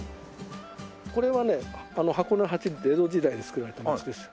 これはね箱根八里って江戸時代に造られた道です。